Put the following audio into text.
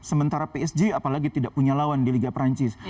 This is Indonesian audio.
sementara psg apalagi tidak punya lawan di liga perancis